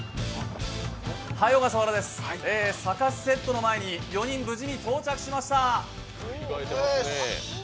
サカスセットの前に４人無事に到着しました。